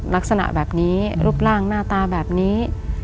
ลักษณะแบบนี้รูปร่างหน้าตาแบบนี้